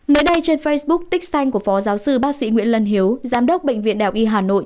mới đây trên facebook tích xanh của phó giáo sư bác sĩ nguyễn lân hiếu giám đốc bệnh viện đại học y hà nội